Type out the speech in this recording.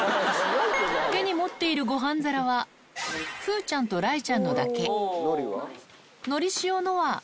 手に持っているごはん皿は、風ちゃんと雷ちゃんのだけ。